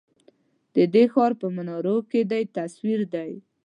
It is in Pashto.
ددې ښار په منارو کی دی تصوير دی